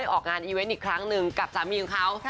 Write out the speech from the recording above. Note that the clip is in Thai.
ออกงานอีเวนต์อีกครั้งหนึ่งกับสามีของเขา